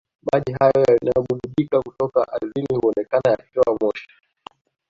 Maji hayo yanayobubujika kutoka ardhini huonekana yakitoa moshi